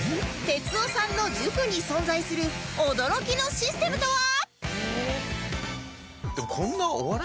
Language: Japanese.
哲夫さんの塾に存在する驚きのシステムとは？